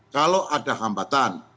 kalau ada hambatan